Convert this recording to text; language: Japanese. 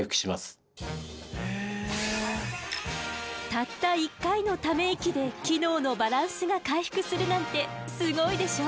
たった１回のため息で機能のバランスが回復するなんてすごいでしょ！